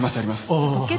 ああ。